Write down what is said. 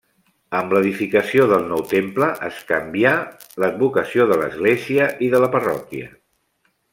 Amb l'edificació del nou temple, es canvià l'advocació de l'església i de la parròquia.